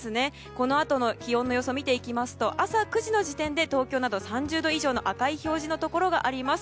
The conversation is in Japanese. このあとの気温の予想を見ていきますと朝９時の時点で東京など３０度以上の赤表示があります。